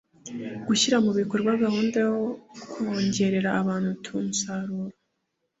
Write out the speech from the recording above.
Gushyira mu bikorwa gahunda yo kongerera abanutu umusaruro